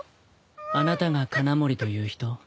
あなたが鉄穴森という人？